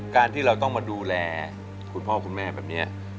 การที่เราต้องมาดูแลคุณพ่อคุณแม่แบบนี้